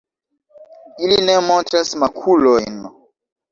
Ili ne montras makulojn.